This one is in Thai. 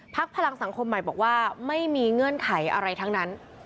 พลังสังคมใหม่บอกว่าไม่มีเงื่อนไขอะไรทั้งนั้น